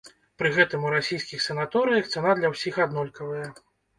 Пры гэтым у расійскіх санаторыях цана для ўсіх аднолькавая.